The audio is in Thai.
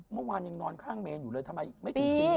อย่างนอนข้างเมนอยู่เลยทำไมไม่กี่ปี